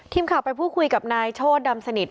ทีมข่าวไปพูดคุยกับนายโชธดำสนิท